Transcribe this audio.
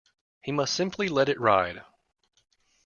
He must simply let it ride.